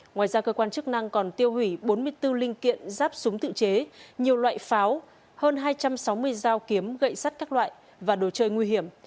ngoài ra cơ quan chức năng còn tiêu hủy bốn mươi bốn linh kiện ráp súng tự chế nhiều loại pháo hơn hai trăm sáu mươi dao kiếm gậy sắt các loại và đồ chơi nguy hiểm